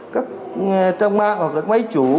các trang mạng hoặc là máy chủ